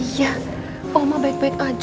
iya om ma baik baik aja